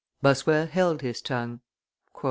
Bossuet held his tongue.